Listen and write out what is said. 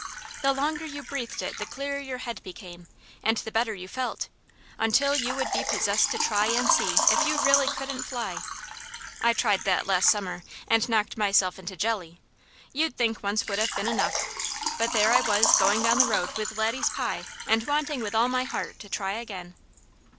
The longer you breathed it the clearer your head became, and the better you felt, until you would be possessed to try and see if you really couldn't fly. I tried that last summer, and knocked myself into jelly. You'd think once would have been enough, but there I was going down the road with Laddie's pie, and wanting with all my heart to try again.